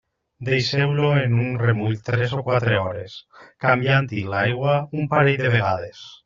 Deixeu-lo en remull tres o quatre hores, canviant-hi l'aigua un parell de vegades.